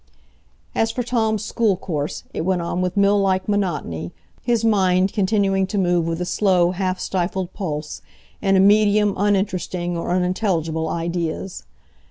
As for Tom's school course, it went on with mill like monotony, his mind continuing to move with a slow, half stifled pulse in a medium of uninteresting or unintelligible ideas.